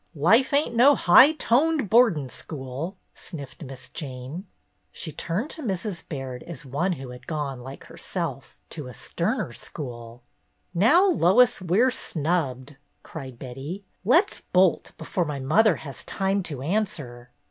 "Huh, life ain't no high toned boardin' school," sniffed Miss Jane. She turned to Mrs. Baird as one who had gone, like herself, to a sterner school. "Now, Lois, we're snubbed!" cried Betty. " Let 's bolt before my mother has time to answer."